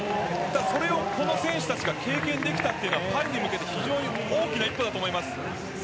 それをこの選手たちが経験できたというのはパリに向けて非常に大きな一歩だと思います。